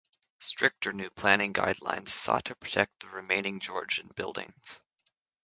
Stricter new planning guidelines sought to protect the remaining Georgian buildings.